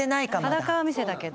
裸は見せたけど。